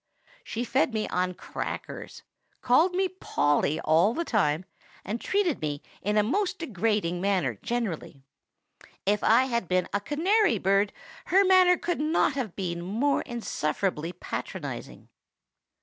She fed me on crackers, called me Polly all the time, and treated me in a most degrading manner generally. If I had been a canary bird, her manner could not have been more insufferably patronizing.